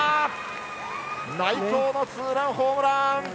内藤のツーランホームラン！